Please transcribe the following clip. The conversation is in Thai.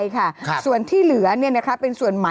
ยังไม่ได้ตอบรับหรือเปล่ายังไม่ได้ตอบรับหรือเปล่า